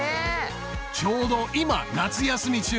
ちょうど今夏休み中。